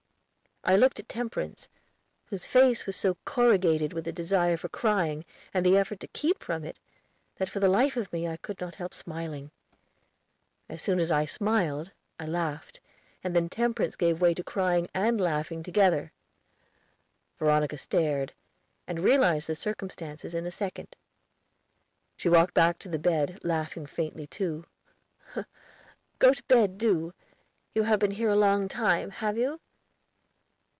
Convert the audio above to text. I looked at Temperance, whose face was so corrugated with the desire for crying and the effort to keep from it, that for the life of me, I could not help smiling. As soon as I smiled I laughed, and then Temperance gave way to crying and laughing together. Veronica stared, and realized the circumstances in a second. She walked back to the bed, laughing faintly, too. "Go to bed, do. You have been here a long time, have you?"